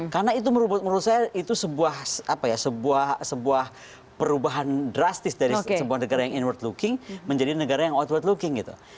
karena itu menurut saya itu sebuah perubahan drastis dari sebuah negara yang inward looking menjadi negara yang outward looking gitu